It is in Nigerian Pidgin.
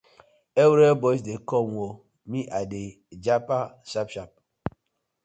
Area boys dey com ooo, me I dey jappa sharp sharp.